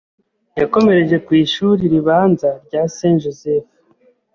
ya komereje ku ishuri ribanza rya St. Joseph